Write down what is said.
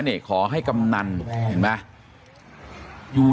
แฮปปี้เบิร์สเจทู